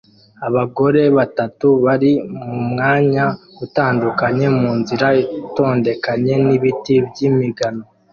Abagore batatu bari mumwanya utandukanye munzira itondekanye nibiti by'imigano